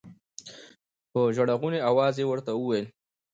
په ژړا غوني اواز يې ورته وويل.